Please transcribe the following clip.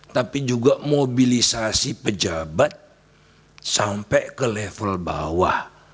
tapi juga mobilisasi pejabat sampai ke level bawah